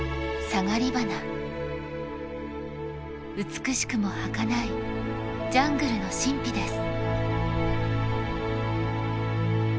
美しくもはかないジャングルの神秘です。